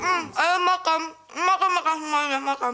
hmm ayo makan makan makan semuanya makan